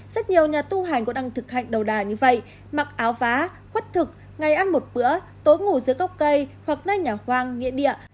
rất nhiều nhà tu hành cũng đang thực hành đầu đà như vậy mặc áo vá quất thực ngày ăn một bữa tối ngủ giữa cốc cây hoặc nơi nhà hoang nghĩa địa